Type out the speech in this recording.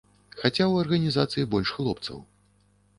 Хаця ў арганізацыі больш хлопцаў.